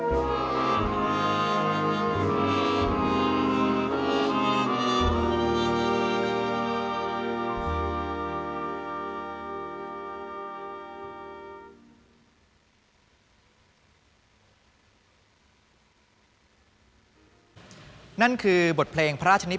โปรดติดตามต่อไป